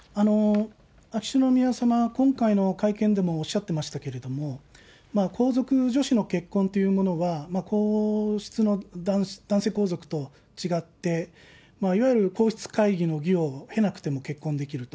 秋篠宮さまは今回の会見でもおっしゃってましたけれども、皇族女子の結婚というものは、皇室の男性皇族と違って、いわゆる皇室会議の儀を経なくても結婚できると。